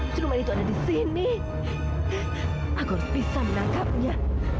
cuman itu ada di sini aku harus bisa menangkapnya